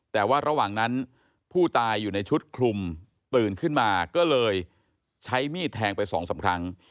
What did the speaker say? แต่ว่าระหว่างนั้นผู้ตายอยู่ในชุดคลุมตื่นขึ้นมาก็เลยใช้มีดแทงไปสองสามครั้ง